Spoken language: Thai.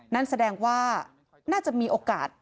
นั่นแสดงว่าน่าจะมีโอกาส